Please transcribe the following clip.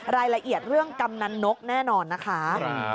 รายละเอียดเรื่องกำนันนกแน่นอนนะคะ